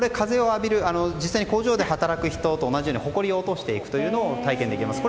実際に工場で働く人と同じようにほこりを落としていくというのを体験できます。